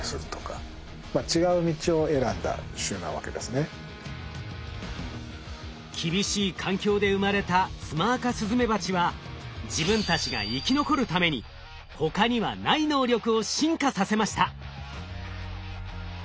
故郷の地っていうのは例えば厳しい環境で生まれたツマアカスズメバチは自分たちが生き残るために他にはない能力を進化させました。